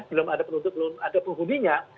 belum ada penduduk belum ada penghubungnya